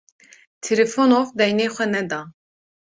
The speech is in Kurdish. Trifonof deynê xwe neda.